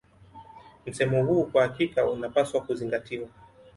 Msemo huu kwa hakika unapaswa kuzingatiwa